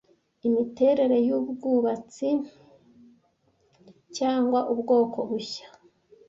imiterere yubwubatsi cyangwa ubwoko bushya